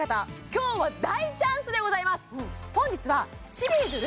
今日は大チャンスでございます！